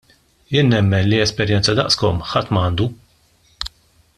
Jiena nemmen li esperjenza daqskom ħadd m'għandu.